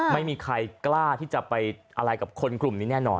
ไม่มีใครกล้าที่จะไปอะไรกับคนกลุ่มนี้แน่นอน